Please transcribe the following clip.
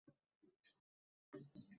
— Voy-bu-uy, qani, ko‘rinmaydi-yu? — dedi.